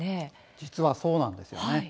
実はそうなんですよね。